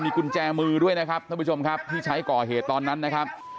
กุญแจมือด้วยนะครับท่านผู้ชมครับที่ใช้ก่อเหตุตอนนั้นนะครับ